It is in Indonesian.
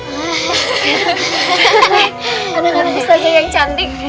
nih anak anak ustazah yang cantik